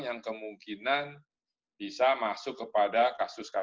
yang kemungkinan bisa masuk kepada kasus kasus